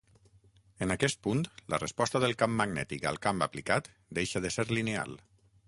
En aquest punt, la resposta del camp magnètic al camp aplicat deixa de ser lineal.